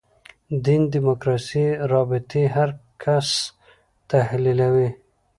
دین دیموکراسي رابطې هر کس تحلیلوي.